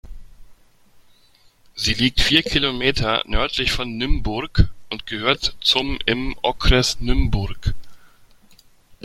Sie liegt vier Kilometer nördlich von Nymburk und gehört zum im Okres Nymburk.